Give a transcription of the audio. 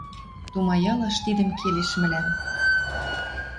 «Тумаялаш тидӹм келеш мӹлӓм